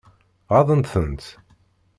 Ɣaḍent-tent?